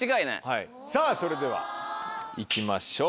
さぁそれではいきましょう。